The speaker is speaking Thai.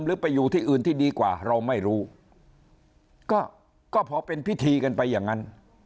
หรือไปอยู่ที่อื่นที่ดีกว่าเราไม่รู้ก็ก็พอเป็นพิธีกันไปอย่างนั้น